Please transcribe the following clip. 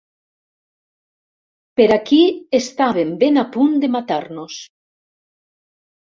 Per aquí estàvem ben a punt de matar-nos.